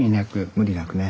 無理なくね。